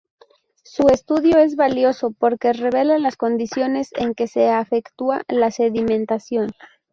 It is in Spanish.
Su estudio es valioso porque revela las condiciones en que se efectúa la sedimentación.